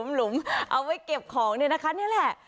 หลมเอาไว้เก็บของนี่แหละ